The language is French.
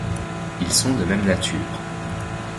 Ils sont de même nature.